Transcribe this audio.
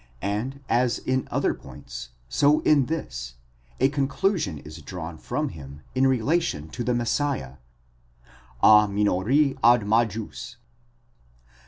and as in other points, so in this, a conclusion was drawn from him in relation to the Messiah, @ minori ad majus.